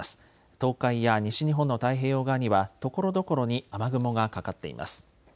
東海や西日本の太平洋側にはところどころに雨雲がかかっています。